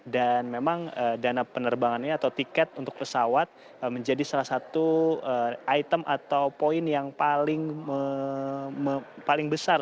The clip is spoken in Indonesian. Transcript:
dan memang dana penerbangannya atau tiket untuk pesawat menjadi salah satu item atau poin yang paling besar